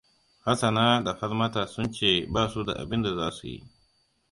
Hassana da Falmata sun ce ba su da abin da za su yi.